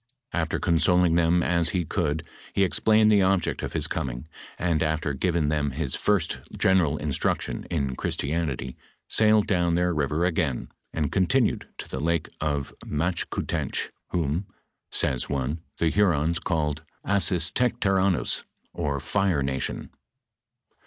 After consoling tbem as ho conld, he ex plained the object of his coming, and after given them hie first general instruction in Christianity, sailed down their river again, and continued to the town of the Machkoutench, whom, sayr »e, the Hurons call Assistaectaeronnous, or Fire nation.